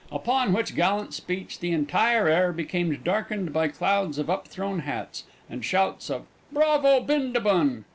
Upon which gallant speech the entire air became darkened by clouds of upthrown hats and shouts of "Bravo, Bindabun!"